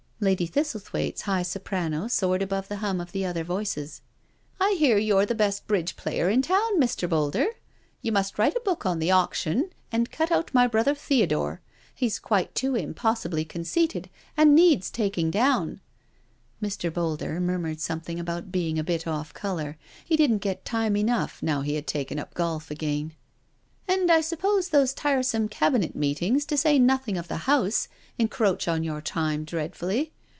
Lady Thistlethwaite's high soprano soared above the hum of other voices: THE DINNER PARTY 221 " I hear you're the best bridge player in Town, Mr. Boulder. You must write a book on ' auction ' and cut out my brother Theodore; he's quite too impossibly conceited, and needs taking down." Mr. Boulder murmured something about being a bit off colour, he didn't get time enough n<5w he had taken up golf again. " And I suppose those tiresome Cabinet meetings^ to say nothing of the House, encroach on your time dreadfully."